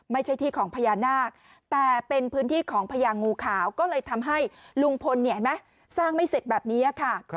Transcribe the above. ไม่ใช่ที่ของพญานาคแต่เป็นพื้นที่ของพญางูขาวก็เลยทำให้ลุงพลเห็นไหมสร้างไม่เสร็จแบบนี้ค่ะ